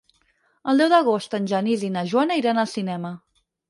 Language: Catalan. El deu d'agost en Genís i na Joana iran al cinema.